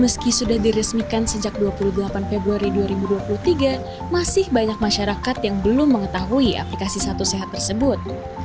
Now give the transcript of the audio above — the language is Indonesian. meski sudah diresmikan sejak dua puluh delapan februari dua ribu dua puluh tiga masih banyak masyarakat yang belum mengetahui aplikasi satu sehat tersebut